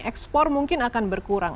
ekspor mungkin akan berkurang